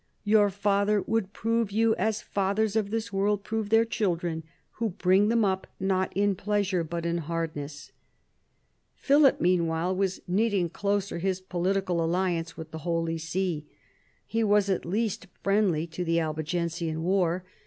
Your Father would prove you as fathers of this world prove their children, who bring them up not in pleasures but in hardness." Philip meanwhile was knitting closer his political alliance with the Holy See. He was at least friendly to the Albigensian war.